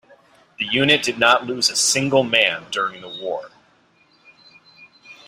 The unit did not lose a single man during the war.